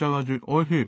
おいしい。